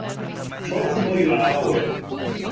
Trowch nhw i lawr!